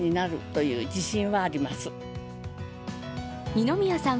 二宮さん